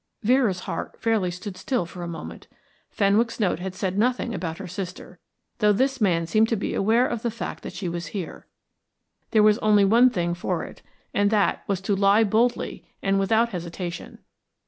Vera's heart fairly stood still for a moment. Fenwick's note had said nothing about her sister, though this man seemed to be aware of the fact that she was here. There was only one thing for it, and that was to lie boldly and without hesitation.